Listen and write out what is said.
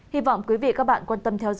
hy vọng quý vị và các bạn quan tâm theo dõi